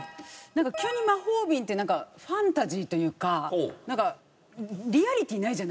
急に魔法瓶ってなんかファンタジーというかなんかリアリティーないじゃないですか。